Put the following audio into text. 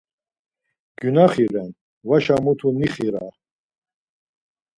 Gyunaxi ren, vaşa mutu nixira!